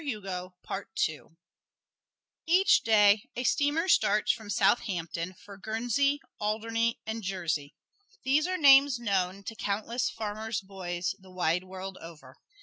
Each day a steamer starts from Southampton for Guernsey, Alderney and Jersey. These are names known to countless farmers' boys the wide world over.